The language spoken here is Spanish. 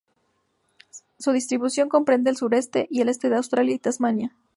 Su distribución comprende el sureste y este de Australia y Tasmania.